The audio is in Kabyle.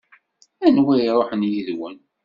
Anwa i iṛuḥen yid-wen?